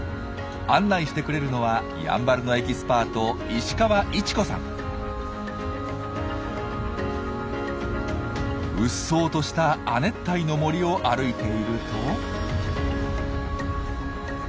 案内してくれるのはやんばるのエキスパートうっそうとした亜熱帯の森を歩いていると。